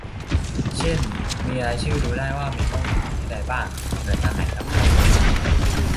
เช่น มีรายชื่อดูได้ว่ามีกล้องติดอยู่ที่ใดบ้าง หน่วยงานไหนรับผิดชอบตัวไหน